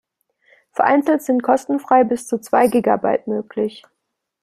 Vereinzelt sind kostenfrei bis zu zwei Gigabyte möglich.